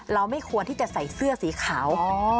ไม่ควรที่จะใส่เสื้อสีขาว